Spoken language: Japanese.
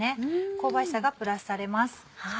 香ばしさがプラスされます。